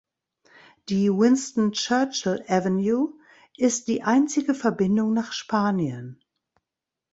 Die Winston Churchill Avenue ist die einzige Verbindung nach Spanien.